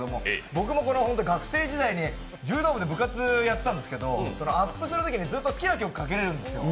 僕も学生時代に、柔道部で部活やってたんですけど、そのアップするときに、ずっと好きな曲をかけられるんですよ。